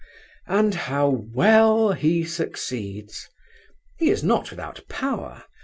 And how well he succeeds! He is not without power.